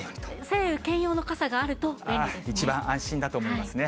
晴雨兼用の傘があるといいで一番安心だと思いますね。